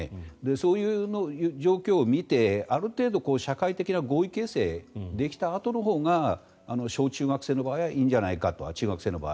そういう状況を見てある程度、社会的な合意形成ができたあとのほうが中学生の場合はいいんじゃないかと。